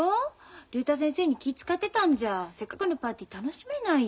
竜太先生に気遣ってたんじゃせっかくのパーティー楽しめないよ。